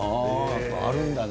あるんだね。